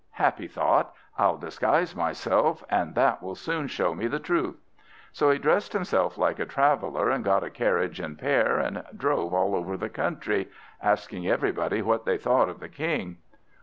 Happy thought! I'll disguise myself, and that will soon show me the truth." So he dressed himself like a traveller, and got a carriage and pair, and drove all over the country, asking everybody what they thought of the King.